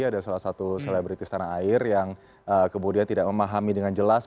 ada salah satu selebritis tanah air yang kemudian tidak memahami dengan jelas